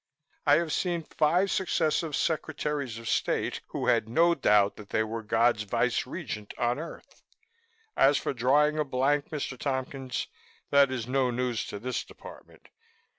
I have seen five successive Secretaries of State who had no doubt that they were God's Vice Regent on earth. As for drawing a blank, Mr. Tompkins, that is no news to this Department.